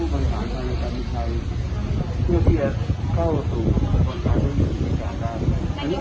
กับการทำให้อ่ามีการปรับโปรดกล้าผู้บริการที่เขาถูก